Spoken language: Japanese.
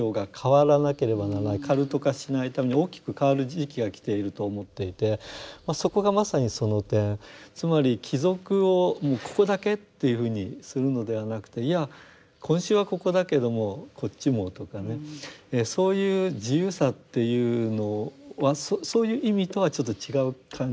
カルト化しないために大きく変わる時期が来ていると思っていてそこがまさにその点つまり帰属をもうここだけというふうにするのではなくていや今週はここだけどもこっちもとかねそういう自由さっていうのはそういう意味とはちょっと違う感じでしょうか。